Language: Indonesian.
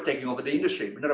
dan pertanyaannya adalah